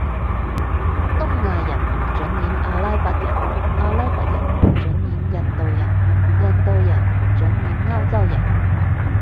東亞人唔准演阿拉伯人，阿拉伯人唔准演印度人，印度人唔准演歐洲人？